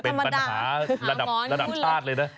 เป็นปัญหาระดับชาติเลยนะ